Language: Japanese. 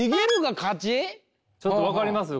ちょっと分かります？